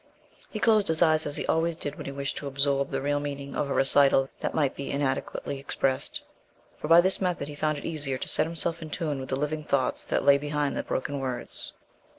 He closed his eyes, as he always did when he wished to absorb the real meaning of a recital that might be inadequately expressed, for by this method he found it easier to set himself in tune with the living thoughts that lay behind the broken words.